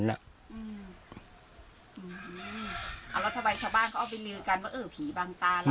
แล้วทำไมชาวบ้านเขาออกไปเลือกันว่า